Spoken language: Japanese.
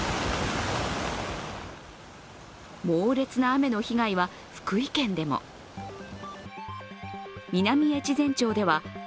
猛烈な雨の被害は福井県でも南越前町では